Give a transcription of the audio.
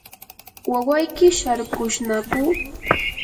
¿wawayki sharkushnaku?